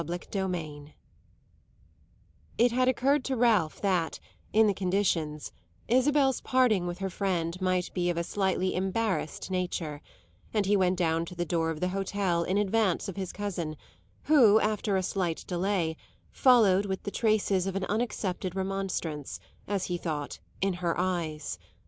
CHAPTER XVIII It had occurred to Ralph that, in the conditions, Isabel's parting with her friend might be of a slightly embarrassed nature, and he went down to the door of the hotel in advance of his cousin, who, after a slight delay, followed with the traces of an unaccepted remonstrance, as he thought, in her eyes.